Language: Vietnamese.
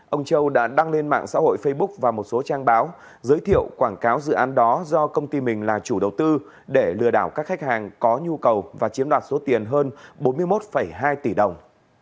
ông châu đã đăng lên mạng xã hội facebook và một số trang báo giới thiệu quảng cáo dự án đó do công ty mình là chủ đầu tư để lừa đảo các khách hàng có nhu cầu và chiếm đoạt số tiền hơn bốn mươi một hai tỷ đồng